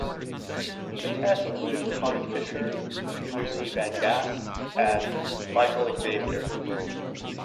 The cast included Connie Fisher, Lucy van Gasse and Michael Xavier.